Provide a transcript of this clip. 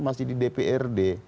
masih di dprd